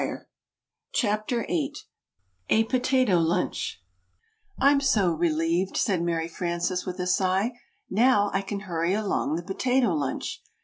"] CHAPTER VIII A POTATO LUNCH "I'M so relieved," said Mary Frances with a sigh. "Now, I can hurry along the Potato Lunch."